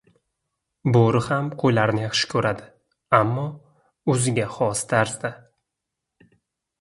Bo‘ri ham qo‘ylarni yaxshi ko‘radi, ammo o‘ziga xos tarzda…